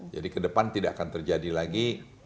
jadi kedepan tidak akan terjadi lagi